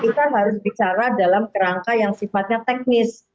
kita harus bicara dalam kerangka yang sifatnya teknis